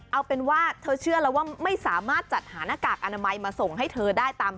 เอาเป็นว่าเธอเชื่อแล้วว่าไม่สามารถจัดหาหน้ากากอนามัยมาส่งให้เธอได้ตาม